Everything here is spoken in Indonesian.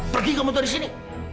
pergi kamu dari sini